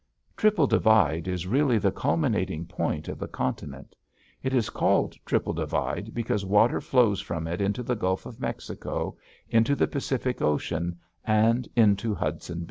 Triple Divide is really the culminating point of the continent. It is called Triple Divide because water flows from it into the Gulf of Mexico, into the Pacific Ocean, and into Hudson Bay.